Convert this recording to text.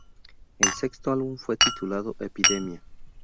El sexto álbum fue titulado "Epidemia".